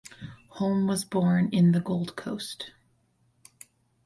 Holm was born in the Gold Coast.